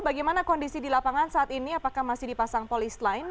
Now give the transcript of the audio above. bagaimana kondisi di lapangan saat ini apakah masih dipasang polis lain